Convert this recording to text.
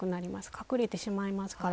隠れてしまいますから。